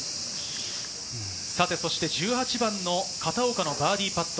そして１８番の片岡のバーディーパット。